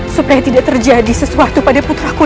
supaya tidak terjadi sesuatu pada putraku